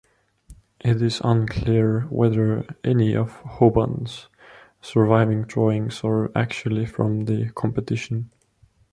It is unclear whether any of Hoban's surviving drawings are actually from the competition.